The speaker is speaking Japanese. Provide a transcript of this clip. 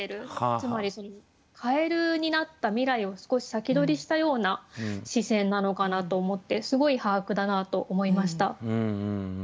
つまりかえるになった未来を少し先取りしたような視線なのかなと思ってすごい把握だなと思いました。